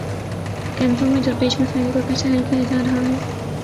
کیمپوں میں درپیش مسائل کو کیسے حل کیا جا رہا ہے؟